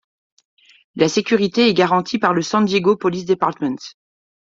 La sécurité est garantie par le San Diego Police Department.